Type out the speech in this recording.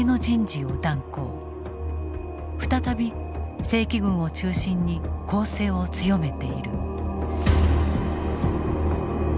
再び正規軍を中心に攻勢を強めている。